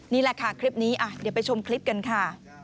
นี่แหละค่ะคลิปนี้เดี๋ยวไปชมคลิปกันค่ะ